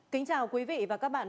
kính chào quý vị và các bạn